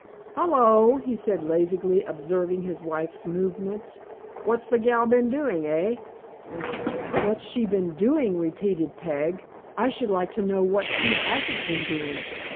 "Hilloa!" said he, lazily, observing his wife's movements, "what's the gal been doing, hey?" "What's she been doing?" repeated Peg; "I should like to know what she hasn't been doing.